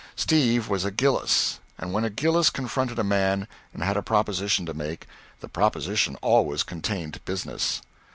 Steve was a Gillis, and when a Gillis confronted a man and had a proposition to make, the proposition always contained business.